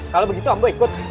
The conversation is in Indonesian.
kalau begitu ambo ikut